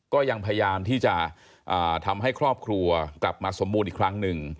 ก็ยังพยายามที่จะทำให้ครอบครัวกลับมาสมบูรณ์อีกครั้งหนึ่ง